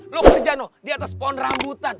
lu kerja noh di atas pond rambutan